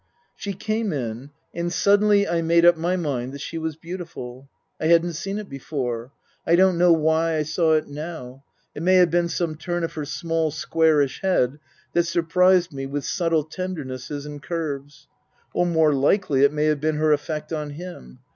She came in, and suddenly I made up my mind that she was beautiful. I hadn't seen it before. I don't know why I saw it now. It may have been some turn of her small, squarish head that surprised me with subtle tender nesses and curves ; or more likely it may have been her effect on him.